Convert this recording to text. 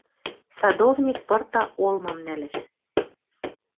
Садовник пырта олмам нӓлӓш